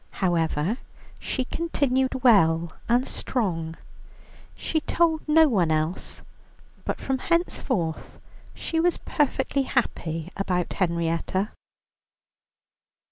However, she continued well and strong. She told no one else, but from henceforth she was perfectly happy about Henrietta.